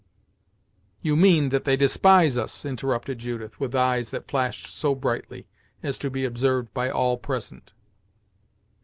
"You mean that they despise us!" interrupted Judith, with eyes that flashed so brightly as to be observed by all present.